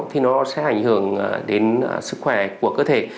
thì nó sẽ ảnh hưởng đến sức khỏe của cơ thể